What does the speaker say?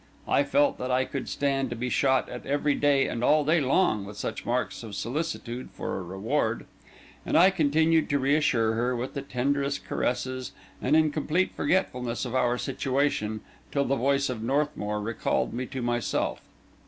I felt that I could stand to be shot at every day and all day long, with such marks of solicitude for a reward; and I continued to reassure her, with the tenderest caresses and in complete forgetfulness of our situation, till the voice of Northmour recalled me to myself.